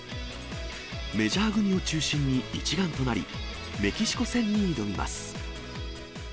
メジャー組を中心に一丸となり、メキシコ戦に挑みます。